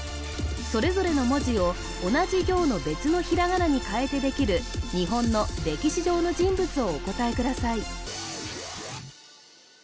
それぞれの文字を同じ行の別のひらがなにかえてできる日本の歴史上の人物をお答えください